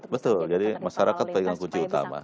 betul jadi masyarakat pegang kunci utama